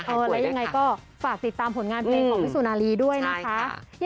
แล้วยังไงก็ฝากติดตามผลงานเพลงของพี่สุนารีด้วยนะคะ